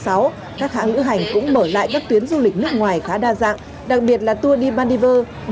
các hãng lữ hành cũng mở lại các tuyến du lịch nước ngoài khá đa dạng đặc biệt là tour đi maldives dubai thái lan